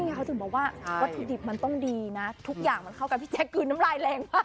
เขาถึงบอกว่าวัตถุดิบมันต้องดีนะทุกอย่างมันเข้ากับพี่แจ๊คคือน้ำลายแรงมาก